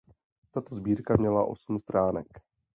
Tato sbírka měla osm stránek.